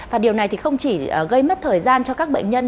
và điều này thì không chỉ gây mất thời gian cho các bệnh nhân